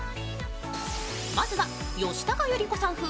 まずは吉高由里子さん風